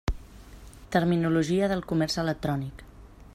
Terminologia del comerç electrònic.